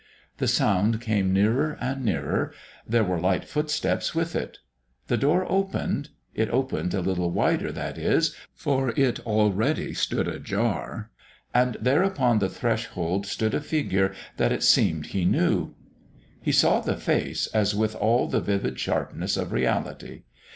The sound came nearer and nearer; there were light footsteps with it. The door opened it opened a little wider, that is, for it already stood ajar and there upon the threshold stood a figure that it seemed he knew. He saw the face as with all the vivid sharpness of reality.